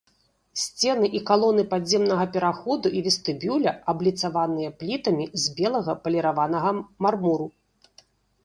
Сцены і калоны падземнага пераходу і вестыбюля абліцаваныя плітамі з белага паліраванага мармуру.